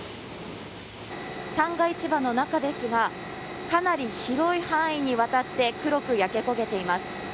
旦過市場の中ですがかなり広い範囲にわたって黒く焼け焦げています。